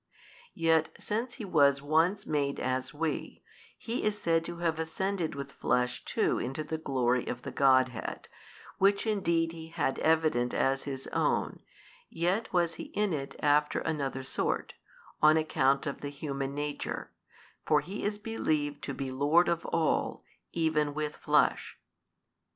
Yet since He was once made as we, He is said to have ascended with Flesh too into the glory of the Godhead, which indeed He had evident as His own, yet was He in it after another sort, on account of the Human Nature, for He is believed to be Lord of all, even with Flesh.